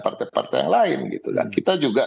partai partai yang lain gitu dan kita juga